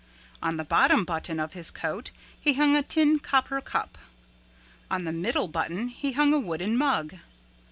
On the bottom button of his coat he hung a tin copper cup. On the middle button he hung a wooden mug.